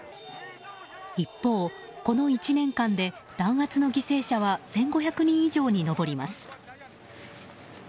一方、この１年間で弾圧の犠牲者は１５００人以上に上ります。